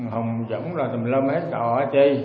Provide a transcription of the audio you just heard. hồng dẫn rồi tìm lâm hết trò hỏi chi